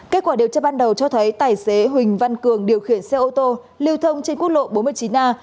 kết quả điều tra ban đầu cho thấy tài xế huỳnh văn cường điều khiển xe ô tô lưu thông trên quốc lộ bốn mươi chín a